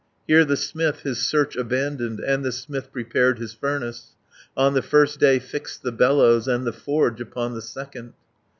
Here the smith his search abandoned, And the smith prepared his furnace, On the first day fixed the bellows, And the forge upon the second.